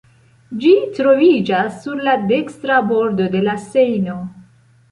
Ĝi troviĝas sur la dekstra bordo de la Sejno.